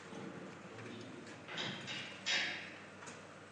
Urritik ekainera bitartean euskarazko kultur programazio bat du urtero.